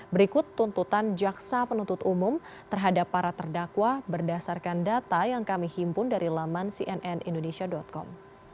berikut tuntutan jaksa penuntut umum terhadap para terdakwa berdasarkan data yang kami himpun dari laman cnnindonesia com